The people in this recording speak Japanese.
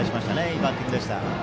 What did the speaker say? いいバッティングでした。